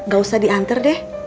gak usah diantar deh